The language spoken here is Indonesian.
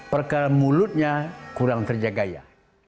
perkara mulutnya kurang terjaga ya